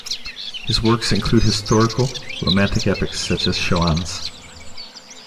His works include historical, romantic epics such as Chouans!